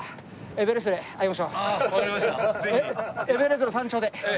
エベレストの山頂で。